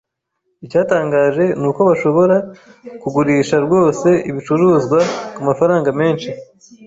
Icyantangaje nuko bashobora kugurisha rwose ibicuruzwa kumafaranga menshi.